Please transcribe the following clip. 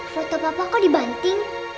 foto papa kau dibanting